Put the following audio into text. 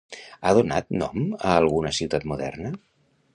Ha donat nom a alguna ciutat moderna?